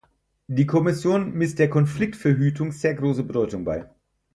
Die Kommission misst der Konfliktverhütung sehr große Bedeutung bei.